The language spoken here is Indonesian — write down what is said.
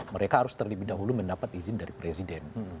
mereka harus terlebih dahulu mendapat izin dari presiden